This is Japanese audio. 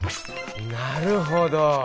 なるほど！